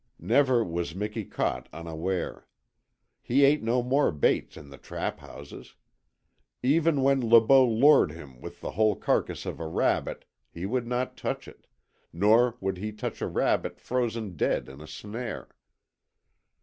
Never was Miki caught unaware. He ate no more baits in the trap houses. Even when Le Beau lured him with the whole carcass of a rabbit he would not touch it, nor would he touch a rabbit frozen dead in a snare.